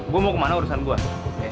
gue mau kemana urusan gue